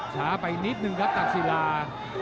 ช้าไปนิดนึงครับตักศิลา